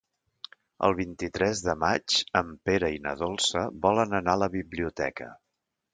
El vint-i-tres de maig en Pere i na Dolça volen anar a la biblioteca.